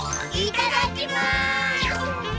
いただきます！